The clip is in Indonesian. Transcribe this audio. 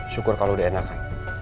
syukur kalau lo diendahkan